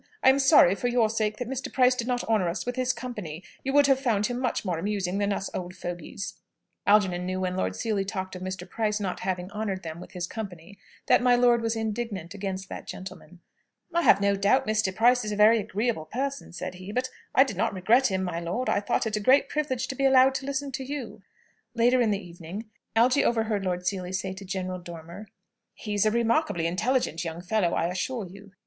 I am sorry, for your sake, that Mr. Price did not honour us with his company. You would have found him much more amusing than us old fogies." Algernon knew, when Lord Seely talked of Mr. Price not having honoured them with his company, that my lord was indignant against that gentleman. "I have no doubt Mr. Price is a very agreeable person," said he, "but I did not regret him, my lord. I thought it a great privilege to be allowed to listen to you." Later in the evening Algy overheard Lord Seely say to General Dormer, "He's a remarkably intelligent young fellow, I assure you."